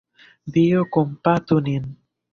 Dio kompatu nin!